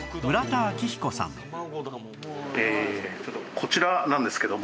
こちらなんですけども。